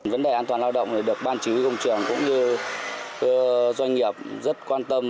vấn đề an toàn lao động được ban chỉ huy công trường cũng như doanh nghiệp rất quan tâm